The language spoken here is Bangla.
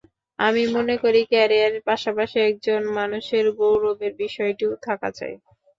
আমি মনে করি, ক্যারিয়ারের পাশাপাশি একজন মানুষের গৌরবের বিষয়টিও থাকা চাই।